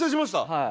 はい。